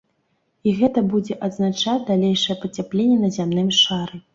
І гэта будзе азначаць далейшае пацяпленне на зямным шары.